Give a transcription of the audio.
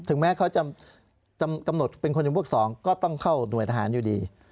แม้เขาจะกำหนดเป็นคนจำพวก๒ก็ต้องเข้าหน่วยทหารอยู่ดี